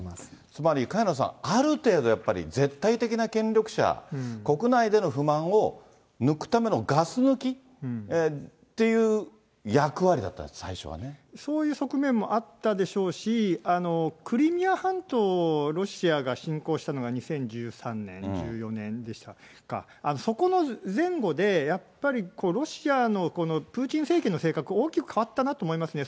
つまり萱野さん、ある程度、やっぱり絶対的な権力者、国内での不満を抜くためのガス抜きっていう役割だったんですね、そういう側面もあったでしょうし、クリミア半島をロシアが侵攻したのが２０１３年、１４年でしたか、そこの前後で、やっぱりロシアのこのプーチン政権の性格、大きく変わったなと思いますね。